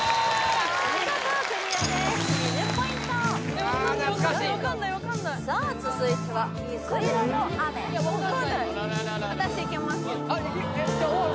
お見事クリアです２０ポイントさあ続いては「みずいろの雨」・分かんないいける？